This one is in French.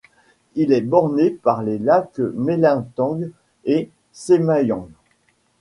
Il est bordé par les lacs Melintang et Semayang.